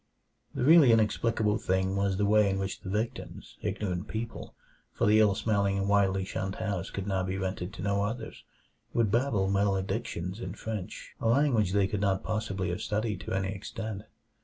The really inexplicable thing was the way in which the victims ignorant people, for the ill smelling and widely shunned house could now be rented to no others would babble maledictions in French, a language they could not possibly have studied to any extent.